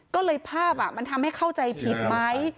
ก็เลยภาพมันทำให้เข้าใจผิดไหม